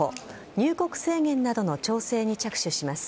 入国制限などの調整に着手します。